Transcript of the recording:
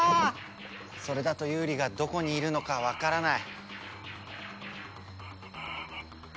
それだとユウリがどこにいるのかわからない。